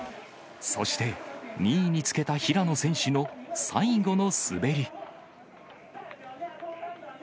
そして、２位につけた平野選手の最後の滑り。